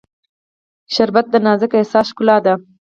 شربت د نازک احساس ښکلا ده